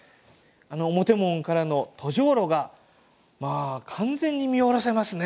表門からの登城路が完全に見下ろせますね。